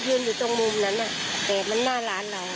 อยู่ตรงมุมนั้นแต่มันหน้าร้านเรา